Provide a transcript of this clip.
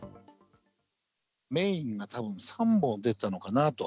メインが多分、３本出ていたのかなと。